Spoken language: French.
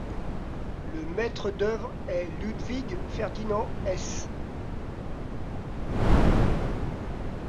Le maître d'œuvre est Ludwig Ferdinand Hesse.